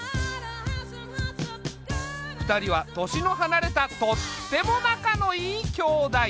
２人は年の離れたとっても仲のいい兄妹。